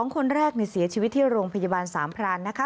คนแรกเสียชีวิตที่โรงพยาบาลสามพรานนะคะ